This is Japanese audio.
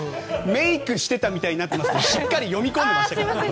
メイクしてたみたいになってますがしっかり読み込んでますから。